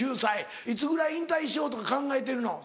いつぐらい引退しようとか考えてるの？